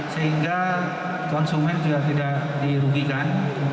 sehingga konsumen juga tidak dirugikan